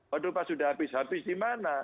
waduh pas sudah habis habis di mana